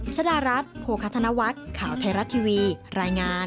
ชนะรัฐโฆษฎนวัติข่าวไทยรัฐทีวีรายงาน